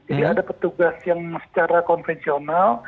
jadi ada petugas yang secara konvensional